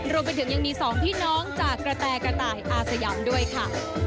รวมไปถึงยังมี๒พี่น้องจากกระแตกระต่ายอาสยามด้วยค่ะ